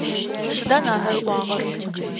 Сыда нанэ ыӏуагъэр?